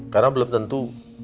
karena belum tentu